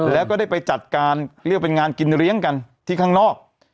แล้วก็ได้ไปจัดการเรียกเป็นงานกินเลี้ยงกันที่ข้างนอก